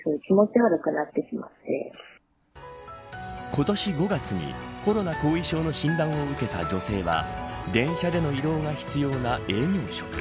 今年５月にコロナ後遺症の診断を受けた女性は電車での移動が必要な営業職。